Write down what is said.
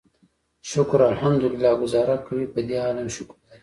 شکر الحمدلله ګوزاره کوي، پدې حال هم شکر دی.